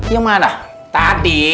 yang mana tadi